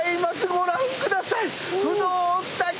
ご覧ください。